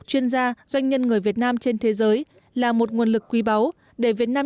chuyên gia doanh nhân người việt nam trên thế giới là một nguồn lực quý báu để việt nam